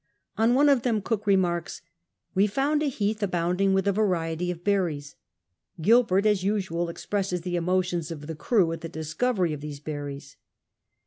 On one of them Cook lemarks :" We found a heath abounding with a variety of berries." Gilbert as usual expresses the emotions of the crew at the discovery of these berries.